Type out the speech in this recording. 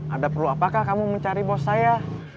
anda perlu apakah kamu mencari bos saya